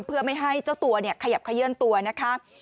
เพื่อไม่ให้เจ้าตัวขยับขยื่นตัวนะคะ